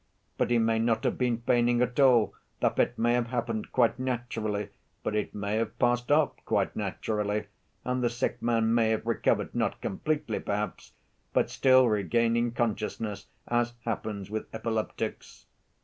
But he may not have been feigning at all, the fit may have happened quite naturally, but it may have passed off quite naturally, and the sick man may have recovered, not completely perhaps, but still regaining consciousness, as happens with epileptics.